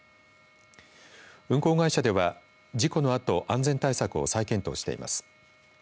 運航会社では事故のあと安全対策を再検討しています。